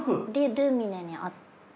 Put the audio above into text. ルミネにあって。